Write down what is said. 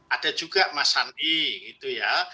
ada juga mas sandi gitu ya